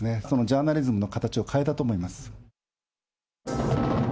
そのジャーナリズムの形を変えたと思います。